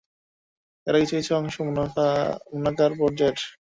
এর কিছু কিছু অংশ মুনকার পর্যায়ের।